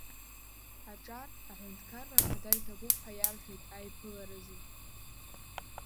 Аҿар аҳәынҭқарра ахада иҭабуп ҳәа иарҳәеит аиԥыларазы.